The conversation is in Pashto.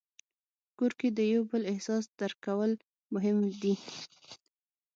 په کور کې د یو بل احساس درک کول مهم دي.